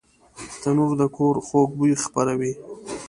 تنور د کور خوږ بوی خپروي